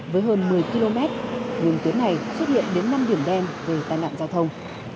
với hơn một mươi km nhưng tuyến này xuất hiện đến năm điểm đen về tai nạn giao thông